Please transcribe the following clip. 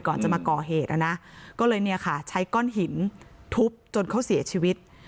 ก่อนจะมาก่อเหตุนะนะก็เลยเนี่ยค่ะใช้ก้อนหินทุบจนเขาเสียชีวิต